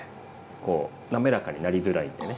こう滑らかになりづらいんでね